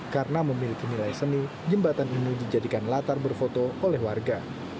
karena memiliki nilai seni jembatan ini dijadikan latar berfoto oleh warga